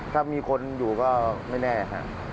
ถ้ามีคนอยู่ก็ไม่แน่ครับ